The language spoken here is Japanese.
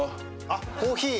あ、コーヒー。